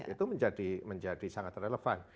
itu menjadi sangat relevan